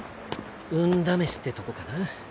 運試しってとこかな。